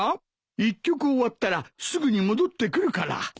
一局終わったらすぐに戻ってくるから。